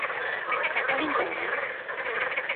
高いんじゃない